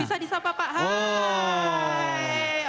bisa di sampah pak hai